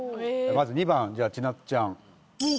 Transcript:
まず２番じゃあ千夏ちゃん